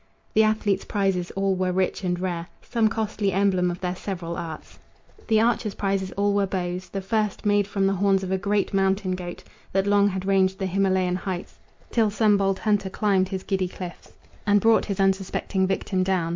The athletes' prizes all were rich and rare, Some costly emblem of their several arts. The archers' prizes all were bows; the first Made from the horns of a great mountain goat That long had ranged the Himalayan heights, Till some bold hunter climbed his giddy cliffs And brought his unsuspecting victim down.